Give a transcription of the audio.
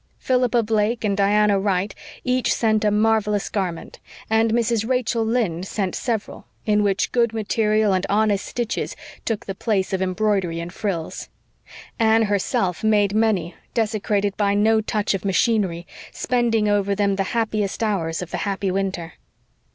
Philippa Blake and Diana Wright each sent a marvellous garment; and Mrs. Rachel Lynde sent several, in which good material and honest stitches took the place of embroidery and frills. Anne herself made many, desecrated by no touch of machinery, spending over them the happiest hours of the happy winter.